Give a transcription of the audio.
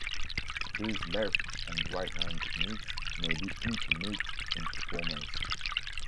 These left- and right-hand techniques may be intermixed in performance.